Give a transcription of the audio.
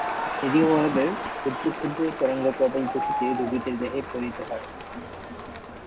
Radio ওয়েভের ক্ষুদ্র ক্ষুদ্র তরঙ্গ প্রবল গতিতে রোগীর দেহে প্রেরিত হয়।